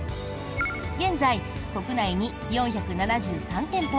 現在、国内に４７３店舗